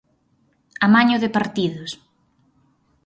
Amaño de partidos.